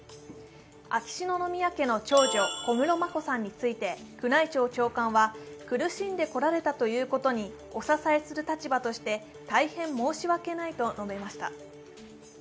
秋篠宮家の長女・小室眞子さんについて宮内庁長官は苦しんでこられたということにお支えする立場として大変申し訳ないと述べました。